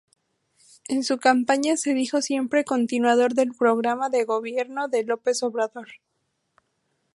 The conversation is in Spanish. En su campaña se dijo siempre continuador del programa de gobierno de López Obrador.